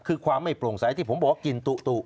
คือความไม่โปรงใสที่ผมบอกกินตู่